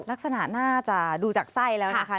ลักษณะน่าจะดูจากไส้แล้วนะคะ